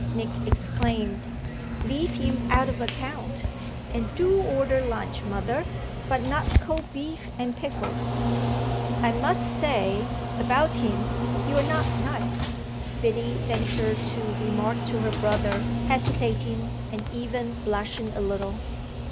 Nick exclaimed. "Leave him out of account, and do order lunch, mother; but not cold beef and pickles." "I must say about him you're not nice," Biddy ventured to remark to her brother, hesitating and even blushing a little.